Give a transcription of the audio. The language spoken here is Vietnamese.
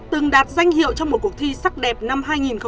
từng đạt danh hiệu trong một cuộc thi sắc đẹp năm hai nghìn chín